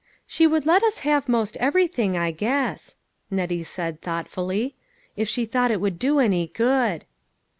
" She would let us have most everything, I guess," Nettie said thoughtfully, " if she thought it would do any good."